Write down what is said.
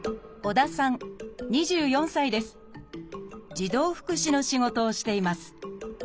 児童福祉の仕事をしています。